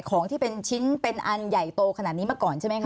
ของที่เป็นชิ้นเป็นอันใหญ่โตขนาดนี้มาก่อนใช่ไหมคะ